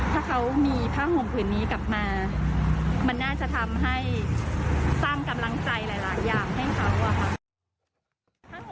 ถ้าเขามีผ้าห่มผืนนี้กลับมามันน่าจะทำให้สร้างกำลังใจหลายอย่างให้เขาอะค่ะ